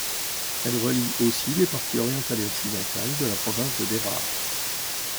Elle relie aussi les parties orientale et occidentale de la province de Deraa.